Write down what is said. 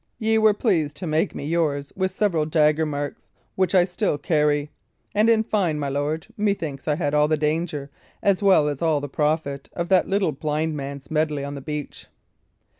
Ye were pleased to make me yours with several dagger marks, which I still carry. And in fine, my lord, methinks I had all the danger, as well as all the profit, of that little blind man's mellay on the beach."